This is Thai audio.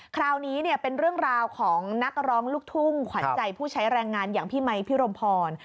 คราวนี้เป็นเรื่องราวของนักร้องลูกทุ่งขวัญใจผู้ใช้แรงงานอย่างพี่ไมค์พี่รมพร